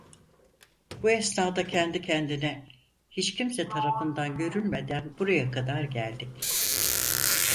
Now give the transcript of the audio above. Bu esnada kendi kendine: "Hiç kimse tarafından görülmeden buraya kadar geldik."